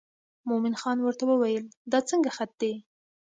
مومن خان ورته وویل دا څنګه خط دی.